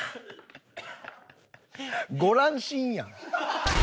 ご乱心やん。